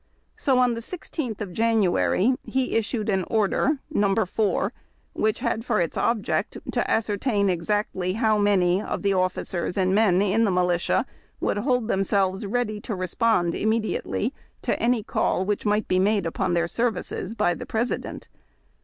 So on the 16th of January he issued an order (No. 4) which had for its object to ascertain exactly how many of the officers and men in the militia would hold themselves ready to respond immediately to any call wliich might be made upon their services by the President.